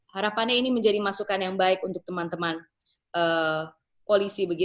harapannya ini menjadi masukan yang baik untuk teman teman polisi